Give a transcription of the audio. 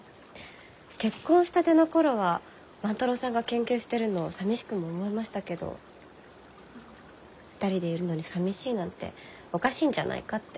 結婚したての頃は万太郎さんが研究してるのさみしくも思いましたけど２人でいるのにさみしいなんておかしいんじゃないかって。